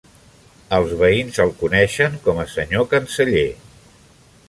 Els veïns el coneixen com a Senyor Canceller.